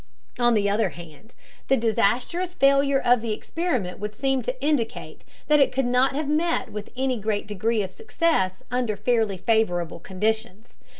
On the other hand, the disastrous failure of the experiment would seem to indicate that it could not have met with any great degree of success under fairly favorable conditions.